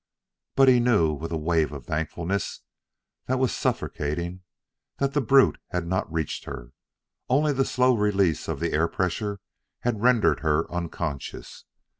But he knew, with a wave of thankfulness that was suffocating, that the brute had not reached her; only the slow release of the air pressure had rendered her unconscious.